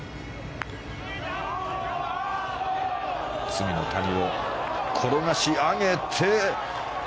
罪の谷を転がし上げて。